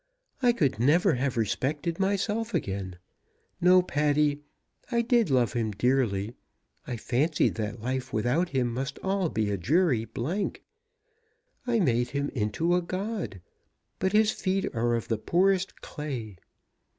I could never have respected myself again. No, Patty, I did love him dearly. I fancied that life without him must all be a dreary blank. I made him into a god; but his feet are of the poorest clay!